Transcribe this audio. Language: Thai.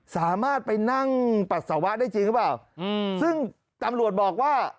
สามารถไปนั่งปัสสาวะได้จริงหรือเปล่าอืมซึ่งตำรวจบอกว่า